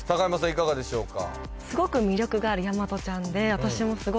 いかがでしょうか？